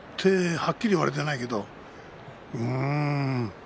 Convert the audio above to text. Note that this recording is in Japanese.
はっきり割れていないけど。